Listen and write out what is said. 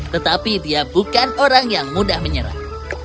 tetapi dia bukan orang yang mudah menyerah